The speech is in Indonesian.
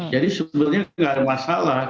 jadi sebenarnya tidak ada masalah